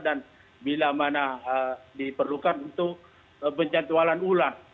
dan bila mana diperlukan untuk penjatuhan ulang